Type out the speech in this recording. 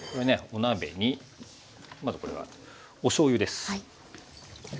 お鍋にまずこれはおしょうゆです。